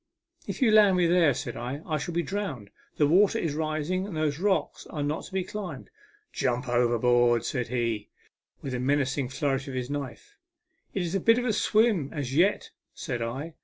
" If you land me there," said I, " I shall be drowned. The water is rising, and those rocks are not to be climbed." " Jump overboard !" said he, with a menacing flourish of his knife. " It is a bit of a swim as yet," said I.